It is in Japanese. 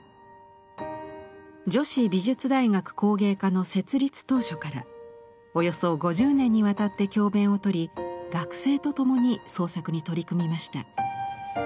女子美術大学工芸科の設立当初からおよそ５０年にわたって教べんをとり学生と共に創作に取り組みました。